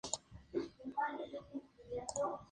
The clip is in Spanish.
Sus trabajos son considerados como parte del periodismo gonzo.